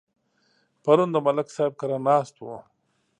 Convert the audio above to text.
پرون د ملک صاحب کره ناست وو.